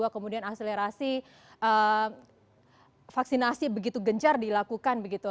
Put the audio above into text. kemudian akselerasi vaksinasi begitu gencar dilakukan begitu